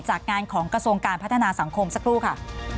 จากงานของกระทรวงการพัฒนาสังคมสักครู่ค่ะ